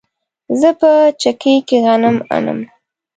زه په چکۍ کې غنم اڼم